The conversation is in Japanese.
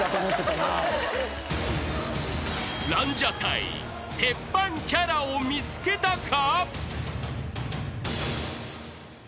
［ランジャタイ鉄板キャラを見つけたか？］